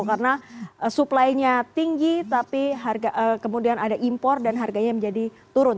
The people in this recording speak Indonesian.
karena supply nya tinggi tapi kemudian ada impor dan harganya menjadi turun